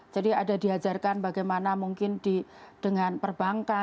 jadi ada diajarkan bagaimana mungkin dengan perbankan diajarkan